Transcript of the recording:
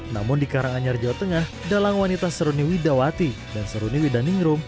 namun di karanganyar jawa tengah dalang wanita seruni widawati dan seruni widaningrum